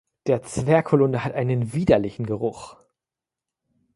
Der Zwerg-Holunder hat einen widerlichen Geruch.